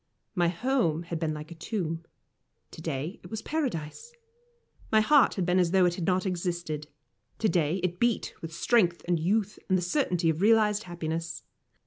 My home had been like a tomb; to day it was Paradise. My heart had been as though it had not existed; to day it beat with strength and youth, and the certainty of realised happiness.